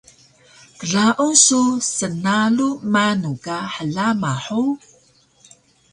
Klaun su snalu manu ka hlama hug?